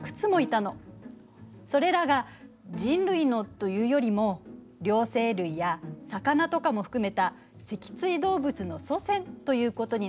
それらが人類のというよりも両生類や魚とかも含めた脊椎動物の祖先ということになるかしらね。